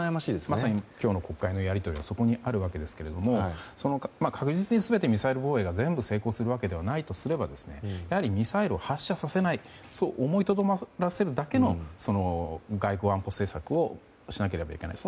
まさに今日の国会のやり取りはそこにあるわけですけれども確実に全てミサイル防衛が全部、成功するわけではないとすればやはりミサイルを発射させないそう思いとどまらせるための外交安保政策をしなければいけない。